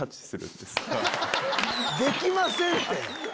できませんって！